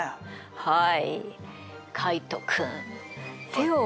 はい。